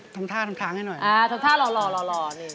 ทำท่าทำค้างให้หน่อยอ่าทำท่ารอหล่อนี่